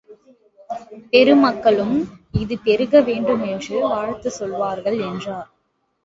பெரு மக்களும் இது பெருகவேண்டுமென்று வாழ்த்துச் சொல்வார்கள் என்றார்.